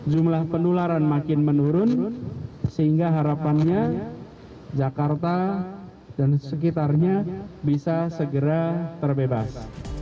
jumlah penularan makin menurun sehingga harapannya jakarta dan sekitarnya bisa segera terbebas